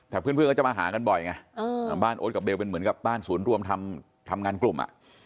แต่เพื่อนก็จะมาหากันบ่อยไงบ้านโอ๊ตกับเบลเป็นเหมือนกับบ้านศูนย์รวมทำงานกลุ่มอ่ะ